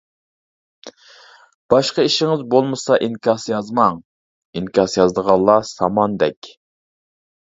باشقا ئىشىڭىز بولمىسا ئىنكاس يازماڭ، ئىنكاس يازىدىغانلار ساماندەك.